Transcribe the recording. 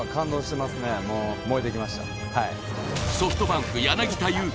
ソフトバンク柳田悠岐